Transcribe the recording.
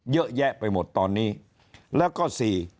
เยอะแยะไปหมดตอนนี้แล้วก็สี่